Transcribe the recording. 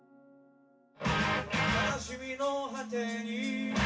「悲しみの果てに」